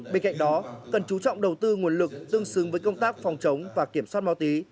bên cạnh đó cần chú trọng đầu tư nguồn lực tương xứng với công tác phòng chống và kiểm soát ma túy